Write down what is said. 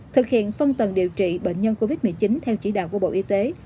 thực hiện phân tầng điều trị bệnh nhân covid một mươi chín theo chỉ đạo của bộ y tế